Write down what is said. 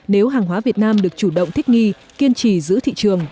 nếu hàng hóa việt nam được chủ động thích nghi kiên trì giữ thị trường